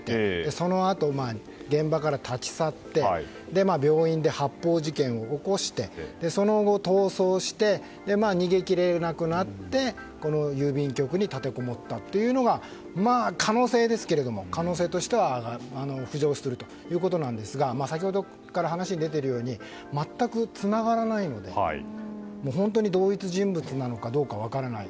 そのあと現場から立ち去って病院で発砲事件を起こしてその後、逃走して逃げ切れなくなってこの郵便局に立てこもったというのが可能性としては浮上するということですが先ほどから話に出ているように全くつながらないので本当に同一人物なのか分からない。